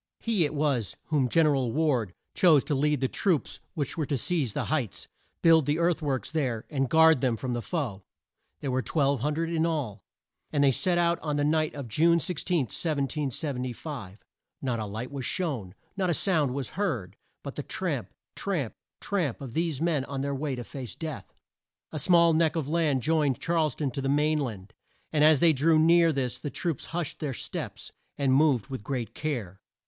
He it was whom Gen er al Ward chose to lead the troops which were to seize the heights, build the earth works there, and guard them from the foe. There were 1200 in all, and they set out on the night of June 16, 1775. Not a light was shown. Not a sound was heard, but the tramp tramp tramp of these men on their way to face death. A small neck of land joined Charles town to the main land, and as they drew near this the troops hushed their steps, and moved with great care.